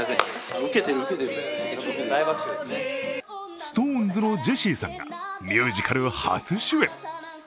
ＳｉｘＴＯＮＥＳのジェシーさんがミュージカル初主演。